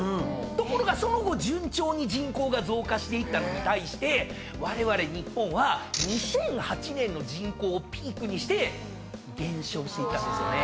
ところがその後順調に人口が増加していったのに対してわれわれ日本は２００８年の人口をピークにして減少していったんですよね。